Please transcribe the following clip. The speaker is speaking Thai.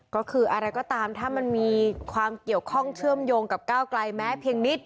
ก็คืออะไรก็ตามถ้ามันมีความเกี่ยวข้องเชื่อมโยงกับก้าวไกลแม้เพียงนิด